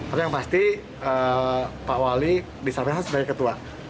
tapi yang pasti pak wali disampaikan sebagai ketua